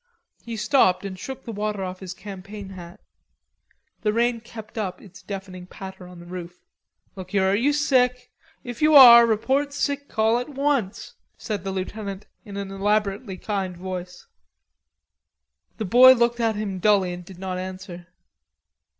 He stopped and shook the water off his Campaign hat. The rain kept up its deafening patter on the roof. "Look here, are you sick? If you are, report sick call at once," said the lieutenant in an elaborately kind voice. The boy looked at him dully and did not answer.